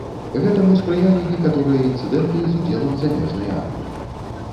Гэтаму спрыялі некаторыя інцыдэнты з удзелам замежнай арміі.